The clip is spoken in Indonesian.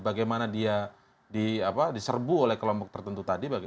bagaimana dia diserbu oleh kelompok tertentu tadi